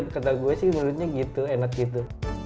kata gue sih menurutnya gitu enak gitu